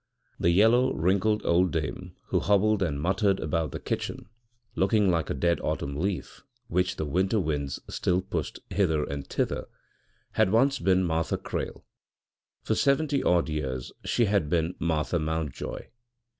The yellow, wrinkled old dame who hobbled and muttered about the kitchen, looking like a dead autumn leaf which the winter winds still pushed hither and thither, had once been Martha Crale; for seventy odd years she had been Martha Mountjoy.